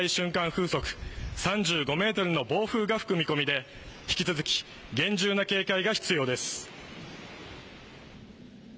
風速３５メートルの暴風が吹く見込みで引き続き、厳重な警戒が必要です。